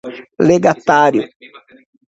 legatário